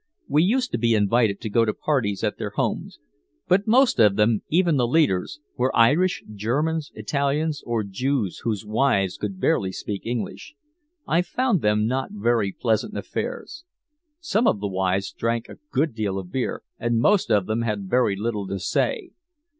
"We used to be invited to go to parties at their homes. But most of them, even the leaders, were Irish, Germans, Italians or Jews whose wives could barely speak English. I found them not very pleasant affairs. Some of the wives drank a good deal of beer and most of them had very little to say.